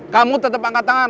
kamu tetap angkat tangan